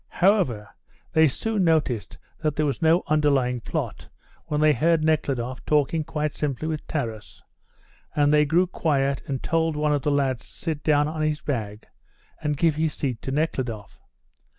However, they soon noticed that there was no underlying plot when they heard Nekhludoff talking quite simply with Taras, and they grew quiet and told one of the lads to sit down on his bag and give his seat to Nekhludoff.